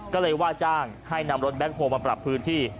ก็เลยว่าจ้างให้นำรถแบ็คโฮลมาปรับพื้นที่